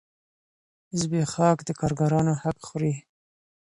زبېښاک د کارګرانو حق خوري.